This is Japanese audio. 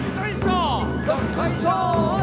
どっこいしょー